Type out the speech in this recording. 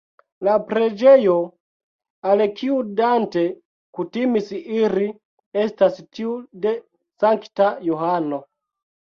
La preĝejo, al kiu Dante kutimis iri, estas tiu de Sankta Johano.